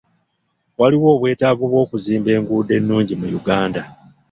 Waliwo obwetaavu bw'okuzimba enguudo ennungi mu Uganda.